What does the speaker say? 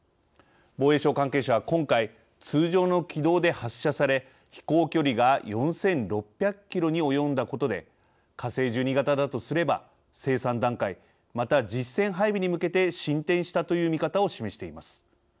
防衛省関係者は今回通常の軌道で発射され飛行距離が４６００キロに及んだことで火星１２型だとすれば生産段階また、実戦配備に向けて進展したという見方を示しています。